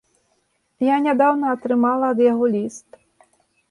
Я нядаўна атрымала ад яго ліст.